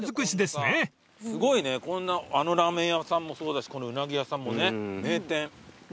すごいねあのラーメン屋さんもそうだしこのうなぎ屋さんもね名店。